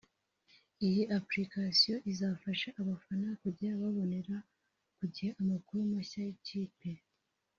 Iyi application izafasha abafana kujya babonera ku gihe amakuru mashya y’ikipe